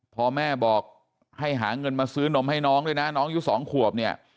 พอแม่บอกให้หาเงินมาซื้อนมให้น้องด้วยนะน้องอยู่สองขวบเนี่ย